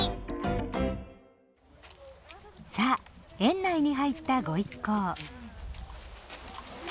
園内に入ったご一行。